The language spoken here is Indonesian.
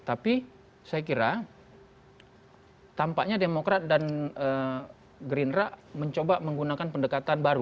tapi saya kira tampaknya demokrat dan gerindra mencoba menggunakan pendekatan baru